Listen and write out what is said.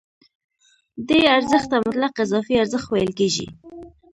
دې ارزښت ته مطلق اضافي ارزښت ویل کېږي